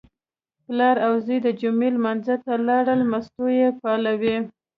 پلار او زوی د جمعې لمانځه ته لاړل، مستو یې پالوې.